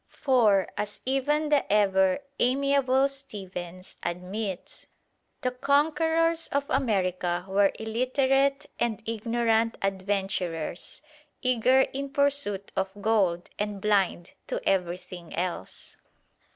For, as even the ever amiable Stephens admits, "the conquerors of America were illiterate and ignorant adventurers, eager in pursuit of gold and blind to everything else."